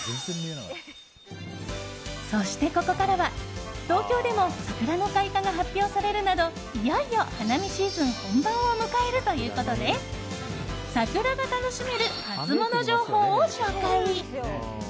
そしてここからは、東京でも桜の開花が発表されるなどいよいよ花見シーズン本番を迎えるということで桜が楽しめるハツモノ情報を紹介。